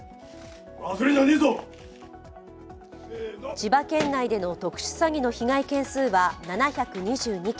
千葉県内での特殊詐欺の被害件数は７２２件